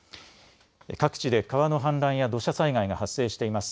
各地で川の氾濫や土砂災害が発生しています。